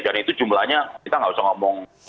dan itu jumlahnya kita nggak usah ngomong